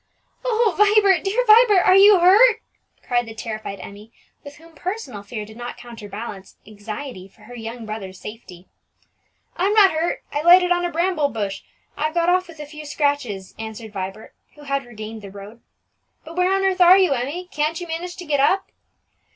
"Oh, Vibert! dear Vibert! are you hurt?" cried the terrified Emmie, with whom personal fear did not counterbalance anxiety for her young brother's safety. "I'm not hurt; I lighted on a bramble bush; I've got off with a few scratches," answered Vibert, who had regained the road. "But where on earth are you, Emmie? Can't you manage to get up?"